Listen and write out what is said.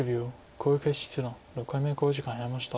小池七段６回目の考慮時間に入りました。